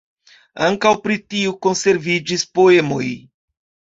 Ankaŭ pri tio konserviĝis poemoj.